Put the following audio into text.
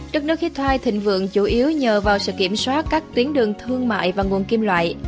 đất nước hittite thịnh vượng chủ yếu nhờ vào sự kiểm soát các tuyến đường thương mại và nguồn kim loại